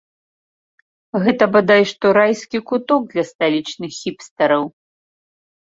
Гэта, бадай што, райскі куток для сталічных хіпстараў.